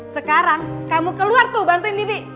sekarang kamu keluar tuh bantuin didi